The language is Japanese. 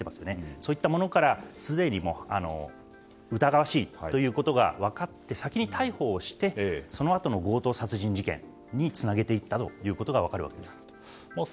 そういったものからすでに疑わしいということが分かって、先に逮捕してそのあとの強盗殺人事件につなげていったということが分かるわけです。